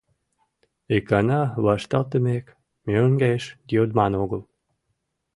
Икана вашталтымек, мӧҥгеш йодман огыл.